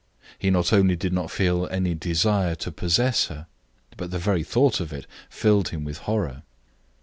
He not only did not feel any desire to possess her, but the very thought of it filled him with horror.